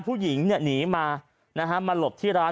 ผู้หญิงหนีมานะฮะมาหลบที่ร้าน